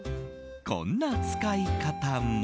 こんな使い方も。